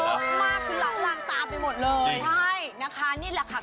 เยอะมากกว่าล้านล้านตามีหมดเลย